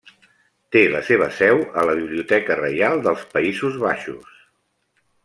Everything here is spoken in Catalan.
Té la seva seu a la Biblioteca Reial dels Països Baixos.